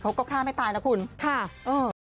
เขาก็ฆ่าไม่ตายนะคุณค่ะเออ